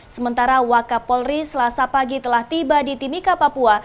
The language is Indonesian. sementara wakapolri selasa pagi telah tiba di timika papua